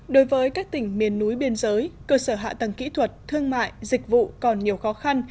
đối với các tỉnh miền núi biên giới cơ sở hạ tầng kỹ thuật thương mại dịch vụ còn nhiều khó khăn